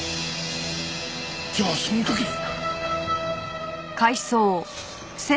じゃあその時に？